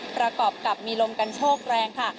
ประกอบกับมีลมกันโชคแรงค่ะ